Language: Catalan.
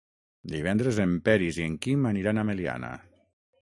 Divendres en Peris i en Quim aniran a Meliana.